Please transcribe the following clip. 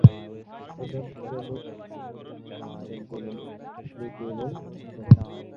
অন্যান্য প্রাণীও সাধারণ, যেমন নেকড়ে এবং সিংহ।